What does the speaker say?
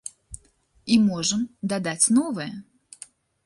І можам дадаць новыя.